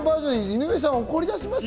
井上さん、怒り出しますよ。